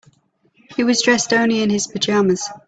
He was dressed only in his pajamas.